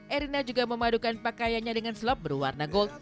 erina juga memadukan pakaiannya dengan slop berwarna gold